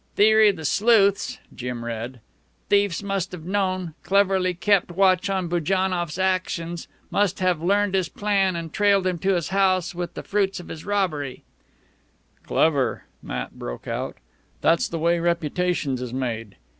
"Theory of the sleuths," Jim read. "Thieves must have known cleverly kept watch on Bujannoff's actions must have learned his plan and trailed him to his house with the fruits of his robbery " "Clever " Matt broke out. "That's the way reputations is made